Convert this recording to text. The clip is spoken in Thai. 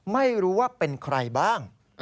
ไม่รู้ว่าเป็นใครบ้าง